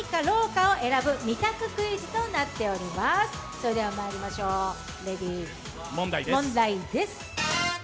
それではまいりましょう、問題です